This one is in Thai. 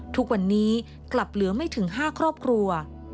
ทุกวันนี้กลับเหลือไม่ถึง๕ครอบครัว